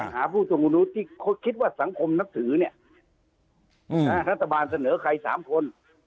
หาผู้สงุนวุฒิที่คิดว่าสังคมนักถือเนี้ยอืมฮ่ารัฐบาลเสนอใครสามคน